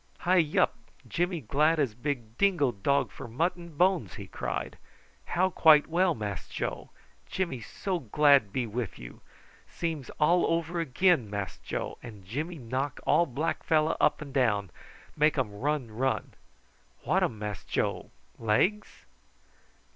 "Hi, yup! Jimmy glad as big dingo dog for mutton bones!" he cried. "How quite well, Mass Joe? Jimmy so glad be with you. Seems all over again, Mass Joe, and Jimmy knock all black fellow up and down make um run, run. Whatum, Mass Joe legs?"